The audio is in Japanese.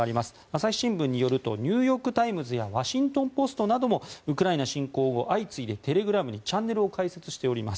朝日新聞によるとニューヨーク・タイムズやワシントン・ポストなどもウクライナ侵攻後相次いでテレグラムにチャンネルを開設しております。